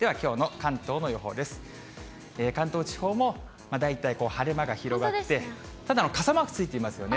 関東地方も大体晴れ間が広がって、ただ、傘マークついていますよね。